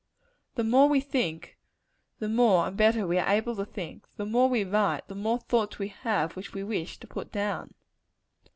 The more we think, the more and better we are able to think; and the more we write, the more thoughts we have which we wish to put down.